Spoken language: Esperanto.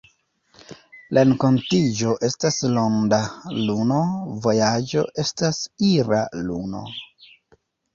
Renkontiĝo estas ‘ronda luno’,vojaĝo estas ‘ira luno’.